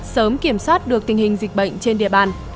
sớm kiểm soát được tình hình dịch bệnh trên địa bàn